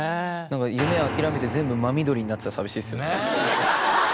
夢を諦めて全部真緑になってたら寂しいですよね。